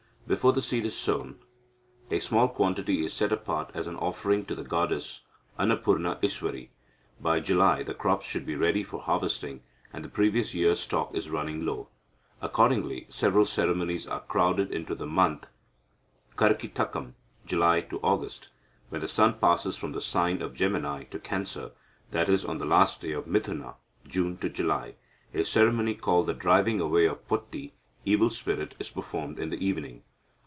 Before the seed is sown, a small quantity is set apart as an offering to the goddess Annapurna Iswari. By July the crops should be ready for harvesting, and the previous year's stock is running low. Accordingly, several ceremonies are crowded into the month Karkitakam (July August). When the sun passes from the sign of Gemini to Cancer, i.e., on the last day of Mithuna (June July), a ceremony called the driving away of Potti (evil spirit) is performed in the evening.